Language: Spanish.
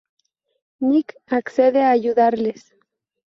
Nick accede a ayudarles.